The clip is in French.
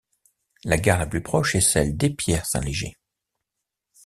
La gare la plus proche est celle d'Épierre - Saint-Léger.